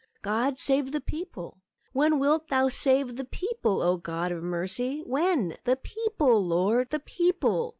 God save the people! When whilt thou save the people? O God of mercy! when? The people, Lord! the people!